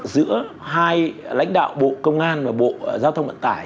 giữa hai lãnh đạo bộ công an và bộ giao thông vận tải